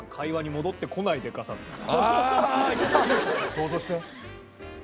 想像して。